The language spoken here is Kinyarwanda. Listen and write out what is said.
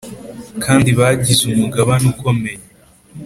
kandi bagize umugabane ukomeye